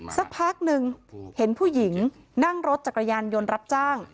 สักพักหนึ่งเห็นผู้หญิงนั่งรถจักรยานยนต์รับจ้าง